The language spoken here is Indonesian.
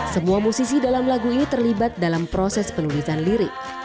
semua musisi dalam lagu ini terlibat dalam proses penulisan lirik